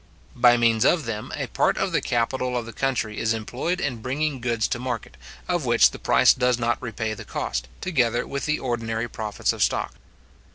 By means of them, a part of the capital of the country is employed in bringing goods to market, of which the price does not repay the cost, together with the ordinary profits of stock.